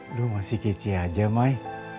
aduh masih kece aja mai